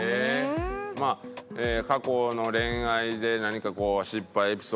過去の恋愛で何かこう失敗エピソード